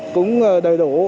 cũng đầy đủ